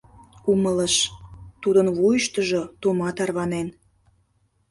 Умылыш: тудын вуйыштыжо тума тарванен.